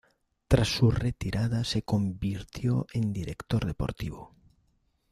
Tras su retirada se convirtió en director deportivo.